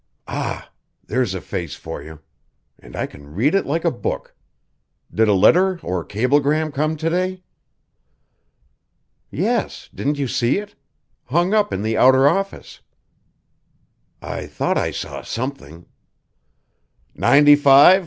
Ah! there's a face for you, and I can read it like a book. Did a letter or cablegram come to day?_" "Yes; didn't you see it? Hung up in the outer office." "I thought I saw something. Ninety five?